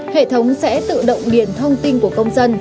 hệ thống sẽ tự động điền thông tin của công dân